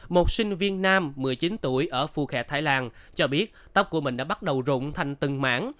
một sinh viên nam một mươi chín tuổi ở phu khe thái lan cho biết tóc của mình đã bắt đầu rụng thành từng mãn